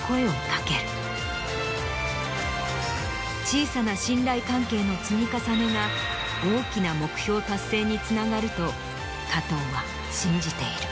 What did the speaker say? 小さな信頼関係の積み重ねが大きな目標達成につながると加藤は信じている。